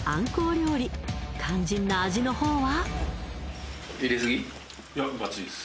料理肝心な味の方は？